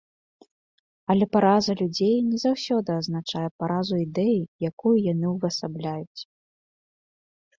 Але параза людзей не заўсёды азначае паразу ідэі, якую яны ўвасабляюць.